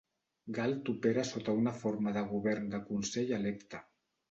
Galt opera sota una forma de govern de consell electe.